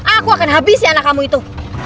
aku akan habisi anak kamu itu